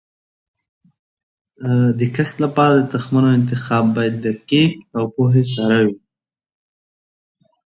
د کښت لپاره د تخمونو انتخاب باید دقیق او پوهه سره وي.